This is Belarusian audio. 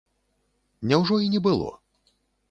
Няўжо і не было?